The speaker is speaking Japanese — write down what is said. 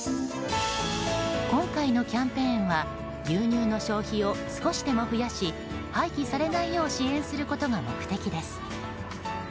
今回のキャンペーンは牛乳の消費を少しでも増やし廃棄されないよう支援することが目的です。